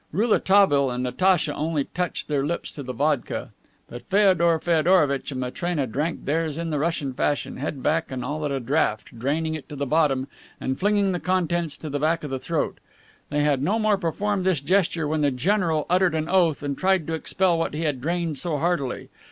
Rouletabille and Natacha only touched their lips to the vodka, but Feodor Feodorovitch and Matrena drank theirs in the Russian fashion, head back and all at a draught, draining it to the bottom and flinging the contents to the back of the throat. They had no more than performed this gesture when the general uttered an oath and tried to expel what he had drained so heartily.